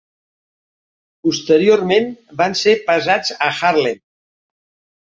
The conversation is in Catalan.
Posteriorment van ser pesats a Harlem.